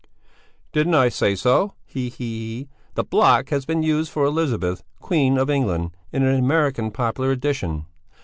"Didn't I say so? Hihihi! The block has been used for Elizabeth, Queen of England, in an American popular edition.